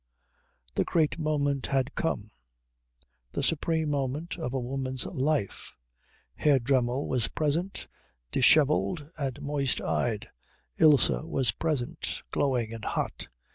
The great moment had come: the supreme moment of a woman's life. Herr Dremmel was present, dishevelled and moist eyed; Ilse was present, glowing and hot.